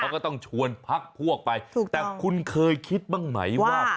เขาก็ต้องชวนพักพวกไปถูกแต่คุณเคยคิดบ้างไหมว่า